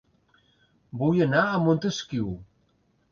Vull anar a Montesquiu